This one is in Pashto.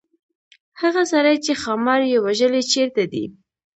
هغه سړی چې ښامار یې وژلی چيرته دی.